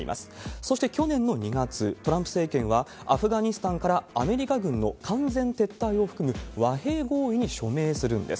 そして去年の２月、トランプ政権はアフガニスタンから、アメリカ軍の完全撤退を含む和平合意に署名するんです。